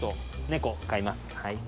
猫買います。